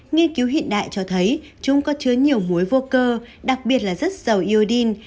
nghiên cứu hiện đại cho thấy chúng có chứa nhiều muối vô cơ đặc biệt là rất giàu yêuin